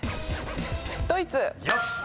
ドイツ。